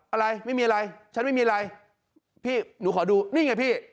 อะไรไม่มีอะไรฉันไม่มีอะไรพี่หนูขอดูนี่ไงพี่